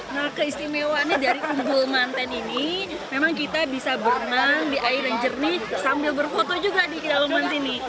nah keistimewaannya dari umbul mantan ini memang kita bisa berenang di air yang jernih sambil berfoto juga di kedalaman sini